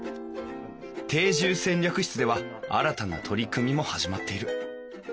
定住戦略室では新たな取り組みも始まっている。